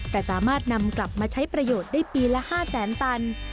แต่สามารถนำกลับมาใช้ประโยชน์ได้ปีละ๕แสนตัน